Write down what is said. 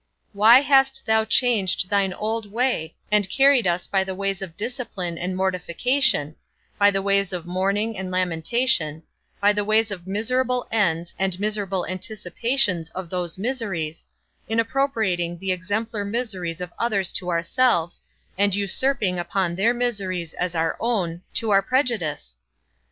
Why hast thou changed thine old way, and carried us by the ways of discipline and mortification, by the ways of mourning and lamentation, by the ways of miserable ends and miserable anticipations of those miseries, in appropriating the exemplar miseries of others to ourselves, and usurping upon their miseries as our own, to our prejudice?